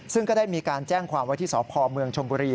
ซึ่งก็ได้มีการแจ้งความไว้ที่สพเมืองชมบุรี